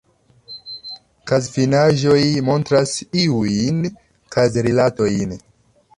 Kazfinaĵoj montras iujn kazrilatojn.